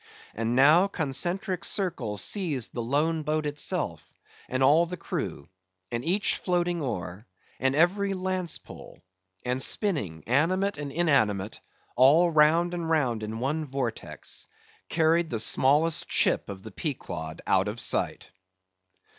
And now, concentric circles seized the lone boat itself, and all its crew, and each floating oar, and every lance pole, and spinning, animate and inanimate, all round and round in one vortex, carried the smallest chip of the Pequod out of sight.